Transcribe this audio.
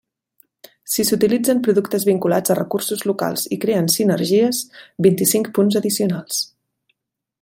Si s'utilitzen productes vinculats a recursos locals i creen sinergies, vint-i-cinc punts addicionals.